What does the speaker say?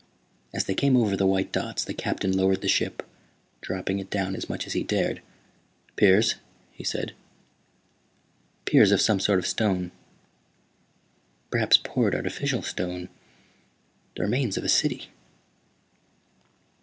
As they came over the white dots the Captain lowered the ship, dropping it down as much as he dared. "Piers," he said. "Piers of some sort of stone. Perhaps poured artificial stone. The remains of a city."